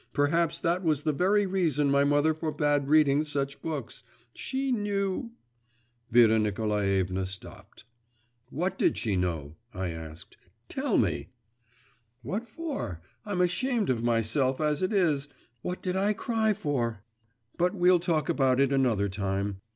Perhaps that was the very reason my mother forbade my reading such books, she knew ' Vera Nikolaevna stopped. 'What did she know?' I asked. 'Tell me.' 'What for? I'm ashamed of myself, as it is; what did I cry for? But we'll talk about it another time.